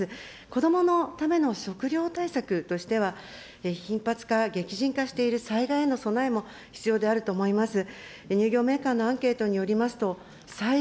子どものための食料対策としては、頻発化、激甚化している災害への備えも必要であると思います。